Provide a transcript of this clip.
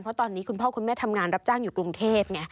เพราะตอนนี้คุณพ่อคุณแม่ทำงานรับจ้างอยู่กรุงเทพไง